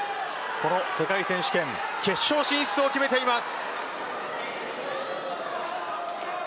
この世界選手権決勝進出を決めています。